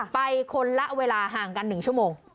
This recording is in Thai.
ไปคนละเวลาห่างกัน๑ชั่วโมง